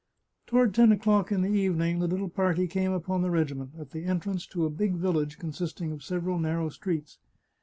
Toward ten o'clock in the evening the little party came upon the regiment, at the entrance to a big village consist ing of several narrow streets.